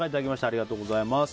ありがとうございます。